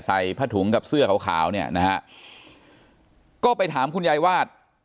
ผ้าถุงกับเสื้อขาวขาวเนี่ยนะฮะก็ไปถามคุณยายวาด